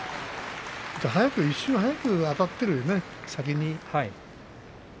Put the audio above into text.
あと一瞬早くあたっているよね